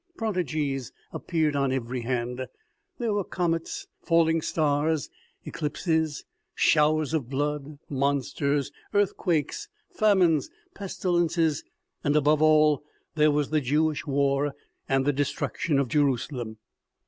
Prodigies appeared on every hand ; there were comets, falling stars, eclipses, showers of blood, monsters, earthquakes, famines, pestilences, and above all, there was the Jewish war and the destruction of Jerusalem.